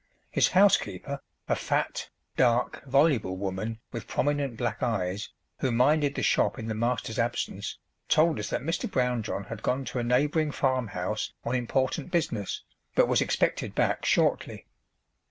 His housekeeper, a fat, dark, voluble woman with prominent black eyes, who minded the shop in the master's absence, told us that Mr. Brownjohn had gone to a neighbouring farm house on important business, but was expected back shortly.